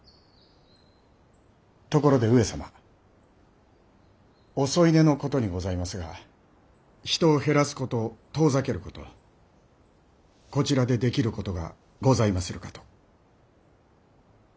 ところで上様お添い寝のことにございますが人を減らすこと遠ざけることこちらでできることがございまするかと。